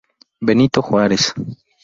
Benito Juárez.